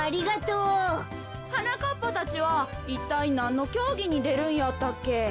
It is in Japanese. はなかっぱたちはいったいなんのきょうぎにでるんやったっけ？